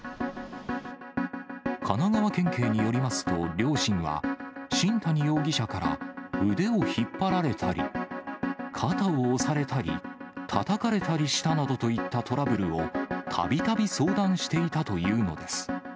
神奈川県警によりますと、両親は、新谷容疑者から腕を引っ張られたり、肩を押されたり、たたかれたりしたなどといったトラブルを、たびたび相談していたというのです。